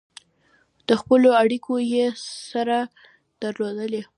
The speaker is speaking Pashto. د خپلوۍ اړیکې یې سره درلودې.